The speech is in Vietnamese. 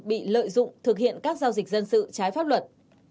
bị lợi dụng thực hiện các giao dịch dân sự trái pháp luật